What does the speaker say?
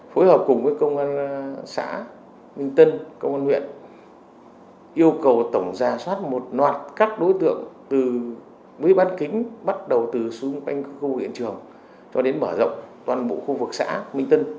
phối hợp cùng với công an xã minh tân công an huyện yêu cầu tổng giả soát một loạt các đối tượng từ mấy bán kính bắt đầu từ xung quanh khu hiện trường cho đến mở rộng toàn bộ khu vực xã minh tân